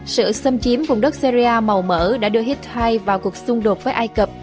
sự xâm chiếm vùng đất syria màu mỡ đã đưa hittai vào cuộc xung đột với ai cập